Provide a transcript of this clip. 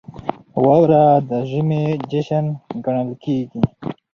• واوره د ژمي جشن ګڼل کېږي.